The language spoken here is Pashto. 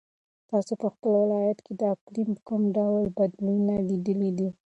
تاسو په خپل ولایت کې د اقلیم کوم ډول بدلونونه لیدلي دي؟